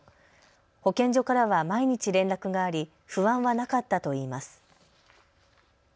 保健所からは毎日連絡があり、不安はなかったといいます。